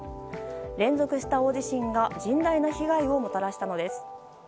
連続した大地震が甚大な被害をもたらしたのです。